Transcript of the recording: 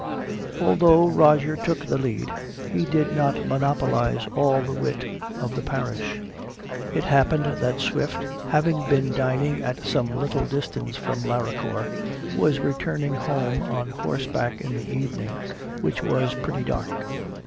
Although Roger took the lead, he did not monopolize all the wit, of the parish. It happened that Swift, having been dining at some little distance from Laracor, was returning home on horseback in the evening, which was pretty dark.